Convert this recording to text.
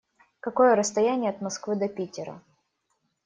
Какое расстояние от Москвы до Питера?